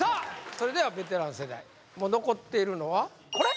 それではベテラン世代もう残っているのはこれ？